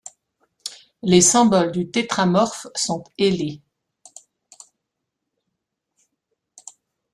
Les symboles du tétramorphe sont ailés.